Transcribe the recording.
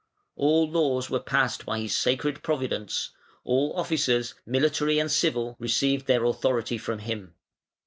All laws were passed by his "sacred providence"; all officers, military and civil, received their authority from him.